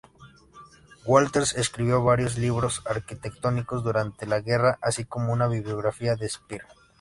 Wolters escribió varios libros arquitectónicos durante la guerra, así como una biografía de Speer.